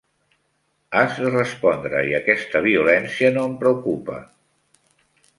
Has de respondre; i aquesta violència no em preocupa.